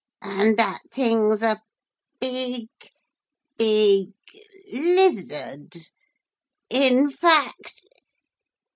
And that thing's a big big lizard in fact